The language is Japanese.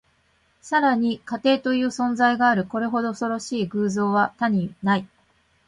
さらに、家庭という存在がある。これほど恐ろしい偶像は他にない。